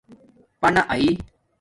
پنݳ آئئ